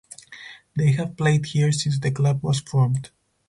They have played here since the club was formed.